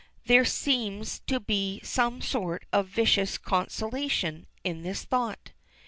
There seems to be some sort of vicious consolation in this thought.